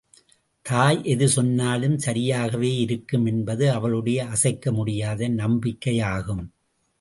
தாய் எது சொன்னாலும், சரியாகவே இருக்கும் என்பது அவளுடைய அசைக்க முடியாத நம்பிக்கையாகும்.